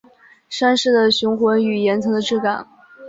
山势的雄浑与岩层的质感